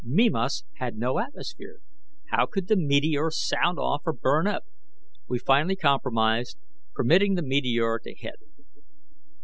Mimas had no atmosphere how could the meteor sound off or burn up? We finally compromised, permitting the meteor to hit.